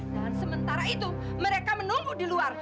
dan sementara itu mereka menunggu di luar